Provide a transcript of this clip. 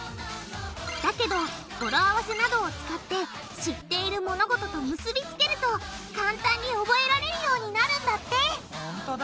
だけど語呂合わせなどを使って知っている物事と結び付けると簡単に覚えられるようになるんだってほんとだ。